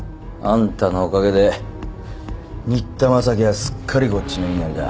あんたのおかげで新田正樹はすっかりこっちの言いなりだ。